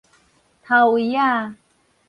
頭圍仔